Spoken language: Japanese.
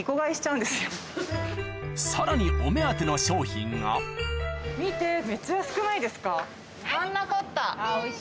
さらにお目当ての商品が見て。